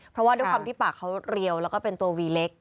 เพราะว่าด้วยความที่ปากเขาเรียวแล้วก็เป็นตัววีเล็ก